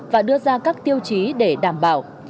và đưa ra các tiêu chí để đảm bảo